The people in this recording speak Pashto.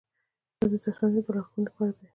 دا د تصامیمو د لارښوونې لپاره دی.